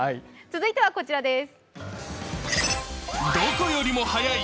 続いてはこちらです。